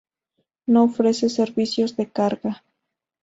No ofrece servicios de carga.